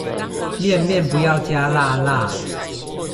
麵麵不要加辣辣